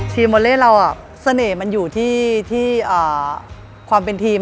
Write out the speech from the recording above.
วอเล่เราเสน่ห์มันอยู่ที่ความเป็นทีม